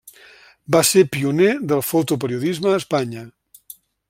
Va ser pioner del fotoperiodisme a Espanya.